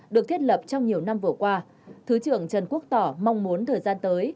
được thiết lập trong nhiều năm vừa qua thứ trưởng trần quốc tỏ mong muốn thời gian tới